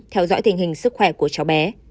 theo dõi tình hình sức khỏe của cháu bé